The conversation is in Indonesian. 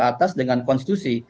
atas dengan konstitusi